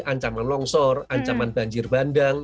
ancaman longsor ancaman banjir bandang